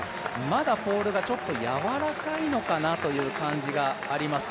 まだポールがちょっとやわらかいのかなという感じがあります。